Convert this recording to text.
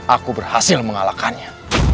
aku berhasil mengalahkannya